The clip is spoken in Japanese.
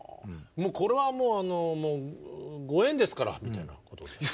これはもうご縁ですからみたいなことですか？